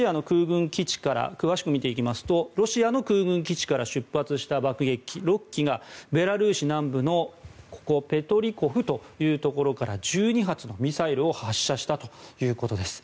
詳しく見ていきますとロシアの空軍基地から出発した爆撃機６機がベラルーシ南部のペトリコフというところから１２発のミサイルを発射したということです。